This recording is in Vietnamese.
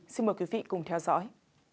xin mời quý vị cùng theo dõi